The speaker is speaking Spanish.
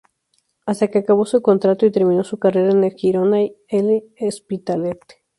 Hasta que acabó su contrato y terminó su carrera en el Girona y L'Hospitalet.